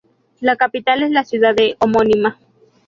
La capital es la ciudad de homónima.